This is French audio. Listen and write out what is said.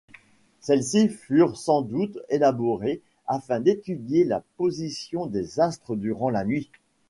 Celles-ci furent sans doute élaborées afin d'étudier la position des astres durant la nuit.